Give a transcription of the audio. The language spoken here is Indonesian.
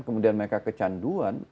kemudian mereka kecanduan